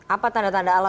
apa tanda tanda alam